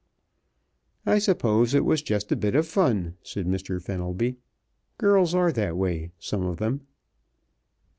"I suppose it was just a bit of fun," said Mr. Fenelby. "Girls are that way, some of them."